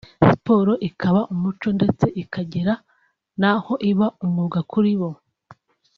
siporo ikaba umuco ndetse ikagera n’aho iba umwuga kuri bo